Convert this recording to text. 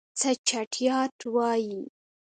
څه چټياټ وايي.